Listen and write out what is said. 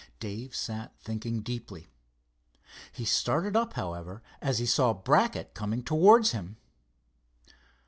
Dave sat thinking deeply. He started up, however, as he saw Brackett coming towards him.